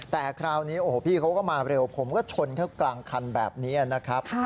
แต่คราวนี้โอ้โหพี่เขาก็มาเร็วผมก็ชนเขากลางคันแบบนี้นะครับ